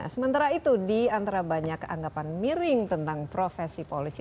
sementara itu di antara banyak anggapan miring tentang profesi polisi